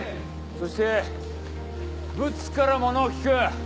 そしてブツからものを聞く。